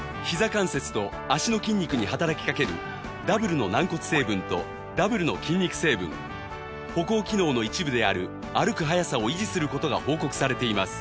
関節と脚の筋肉に働きかけるダブルの軟骨成分とダブルの筋肉成分歩行機能の一部である歩く早さを維持する事が報告されています